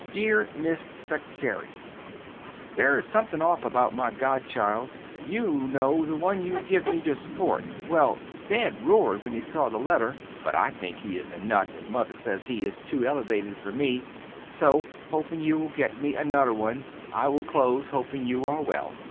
Deer Miss Secretary, There is something off about my godchild, you no the one you give me to suport, well dad rored when he saw the letter but I think he is a nut and mother sez he is two elevated fer me, so hoping you will get me a nuther one I will close hoping you are well.